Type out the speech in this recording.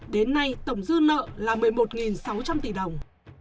đến nay tổng dư nợ là một mươi một sáu trăm linh tỷ đồng